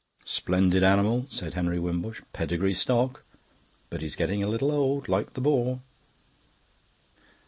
"Splendid animal," said Henry Wimbush. "Pedigree stock. But he's getting a little old, like the boar."